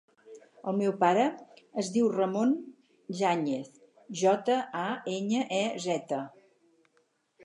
El meu pare es diu Ramon Jañez: jota, a, enya, e, zeta.